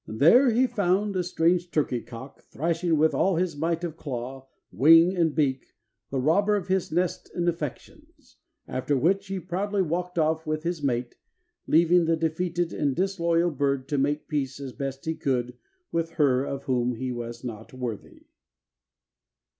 There he found a strange turkey cock thrashing with all his might of claw, wing and beak the robber of his nest and affections, after which he proudly walked off with his mate, leaving the defeated and disloyal bird to make peace as best he could with her of whom he was not worthy.